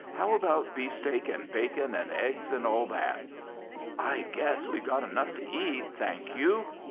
How about beefsteak and bacon and eggs and all that?" "I guess we've got enough to eat, thank you."